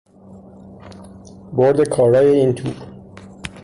برد کارای این توپ